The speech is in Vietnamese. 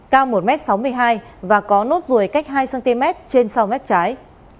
cao một m sáu mươi hai và có nốt ruồi cách hai cm trên sau mép trái